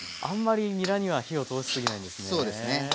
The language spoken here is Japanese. あんまりにらには火を通しすぎないんですね。